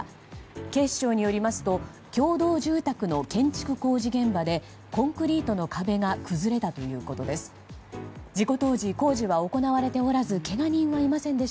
警視庁によりますと共同住宅の建築工事現場でコンクリートの壁が崩れたということです。